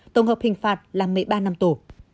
tổng hợp hình phạt là một mươi ba năm tù